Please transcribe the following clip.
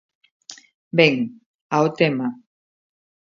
Ben, ao tema.